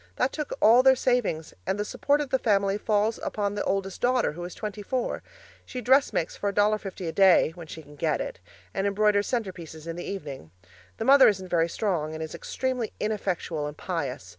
That took all their savings, and the support of the family falls upon the oldest daughter, who is twenty four. She dressmakes for $1.50 a day (when she can get it) and embroiders centrepieces in the evening. The mother isn't very strong and is extremely ineffectual and pious.